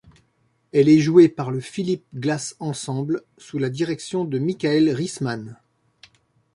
Elle est jouée par le Philip Glass Ensemble sous la direction de Michael Riesman.